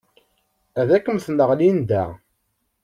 Ad kem-tenɣ Linda.